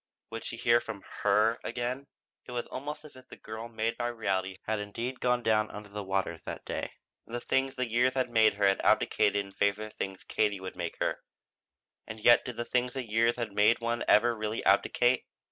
Would she hear from her again? It was almost as if the girl made by reality had indeed gone down under the waters that day, and the things the years had made her had abdicated in favor of the things Katie would make her. And yet did the things the years had made one ever really abdicate?